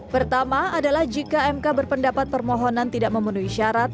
pertama adalah jika mk berpendapat permohonan tidak memenuhi syarat